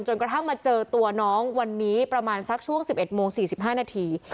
กระทั่งมาเจอตัวน้องวันนี้ประมาณสักช่วง๑๑โมง๔๕นาที